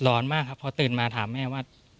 ร้อนมากครับพอตื่นมาถามแม่ว่า